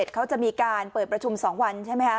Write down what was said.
เขาจะมีการเปิดประชุม๒วันใช่ไหมคะ